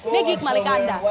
maggie kembali ke anda